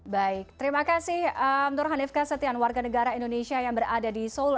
baik terima kasih nurhanifka setian warga negara indonesia yang berada di seoul